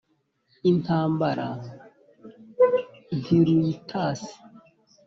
Intambara ntiruyitasi